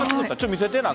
見せて、中。